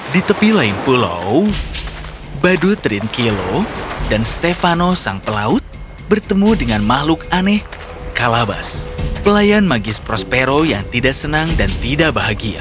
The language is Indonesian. di tepi lain pulau badutrin kilo dan stefano sang pelaut bertemu dengan makhluk aneh kalabas pelayan magis prospero yang tidak senang dan tidak bahagia